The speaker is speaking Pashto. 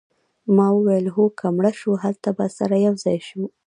ما وویل هو که مړه شوو هلته به سره یوځای شو